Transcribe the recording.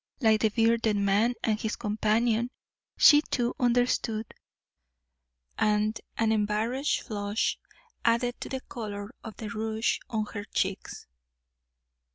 Like the bearded man and his companion, she, too, understood, and an embarrassed flush added to the colour of the rouge on her cheeks.